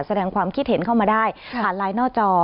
แสดงความคิดเห็นเข้ามาได้ผ่านไลน์หน้าจอ